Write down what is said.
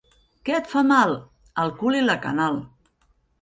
Què et fa mal? / —El cul i la canal.